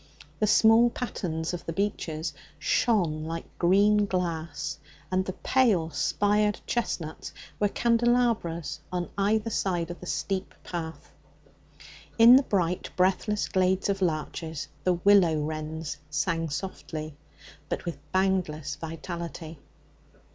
The small patens of the beeches shone like green glass, and the pale spired chestnuts were candelabras on either side of the steep path. In the bright breathless glades of larches the willow wrens sang softly, but with boundless vitality.